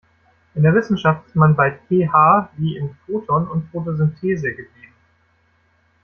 In der Wissenschaft ist man bei P H wie in Photon und Photosynthese geblieben.